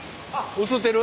映ってる？